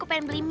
ke mal ngapain